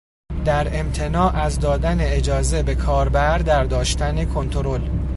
در امتناع از دادن اجازه به کاربر در داشتن کنترل